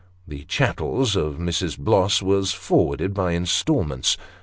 The chattels of Mrs. Bloss were for warded by instalments.